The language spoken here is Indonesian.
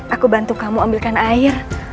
aku bantu kamu ambilkan air